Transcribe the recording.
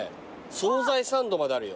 惣菜サンドまであるよ。